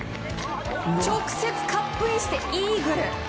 直接カップインしてイーグル！